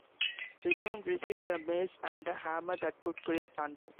He soon received a mace and a hammer that could create thunder.